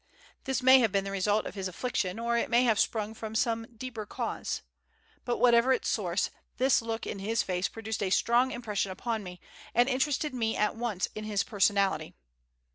This may have been the result of his affliction, or it may have sprung from some deeper cause; but, whatever its source, this look in his face produced a strong impression upon me and interested me at once in his personality.